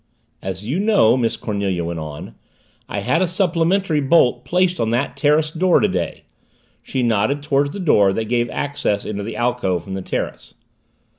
"As you know," Miss Cornelia went on, "I had a supplementary bolt placed on that terrace door today." She nodded toward the door that gave access into the alcove from the terrace.